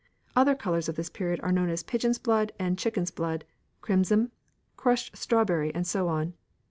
Other colours of this period are known as pigeon's blood and chicken's blood, crimson, crushed strawberry, and so on.